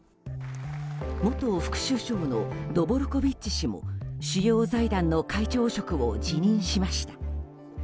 元副首相のドボルコビッチ氏も主要財団の会長職を辞任しました。